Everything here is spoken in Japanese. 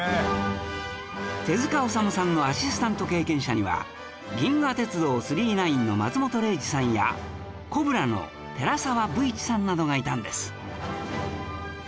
手治虫さんのアシスタント経験者には『銀河鉄道９９９』の松本零士さんや『ＣＯＢＲＡ』の寺沢武一さんなどがいたんです